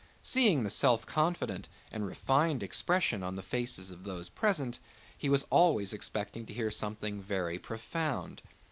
Seeing the self confident and refined expression on the faces of those present he was always expecting to hear something very profound.